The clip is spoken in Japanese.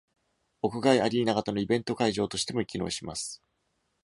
屋外アリーナ型のイベント会場としても機能します。